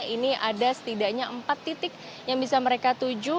ini ada setidaknya empat titik yang bisa mereka tuju